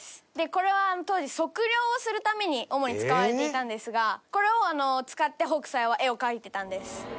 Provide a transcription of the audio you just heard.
これは当時測量をするために主に使われていたんですがこれを使って北斎は絵を描いてたんです。